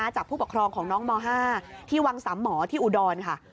จากผู้ปกครองของน้องม๕ที่วังสามหมอที่อุดรค่ะ